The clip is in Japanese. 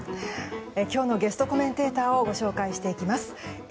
今日のゲストコメンテーターをご紹介していきます。